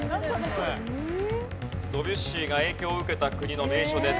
ドビュッシーが影響を受けた国の名所です。